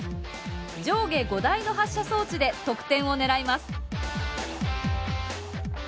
上下５台の発射装置で得点を狙います。